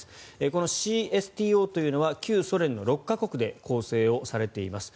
このＣＳＴＯというのは旧ソ連の６か国で構成されています。